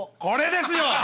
これですよ！